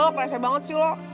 lu gak perasa banget sih lo